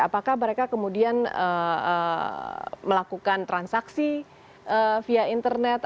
apakah mereka kemudian melakukan transaksi via internet